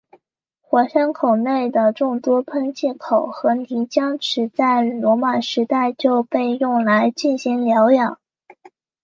火山口内的众多喷气口和泥浆池在罗马时代就被用来进行疗养。